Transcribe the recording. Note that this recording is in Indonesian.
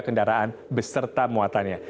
kendaraan beserta muatannya